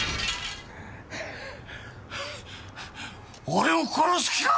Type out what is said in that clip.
俺を殺す気か！？